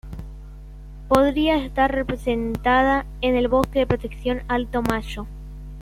Podría estar representada en el Bosque de Protección Alto Mayo.